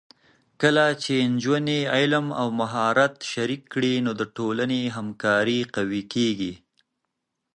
کله چې نجونې علم او مهارت شریک کړي، نو د ټولنې همکاري قوي کېږي.